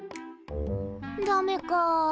ダメか。